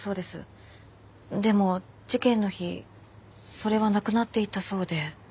でも事件の日それはなくなっていたそうで。